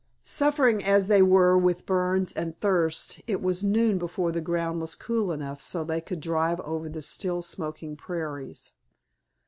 Suffering as they were with burns and thirst it was noon before the ground was cool enough so that they could drive over the still smoking prairies.